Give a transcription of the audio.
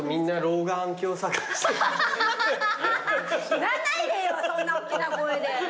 言わないでよそんなおっきな声で。